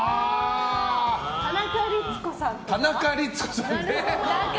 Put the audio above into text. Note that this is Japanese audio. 田中律子さんとか。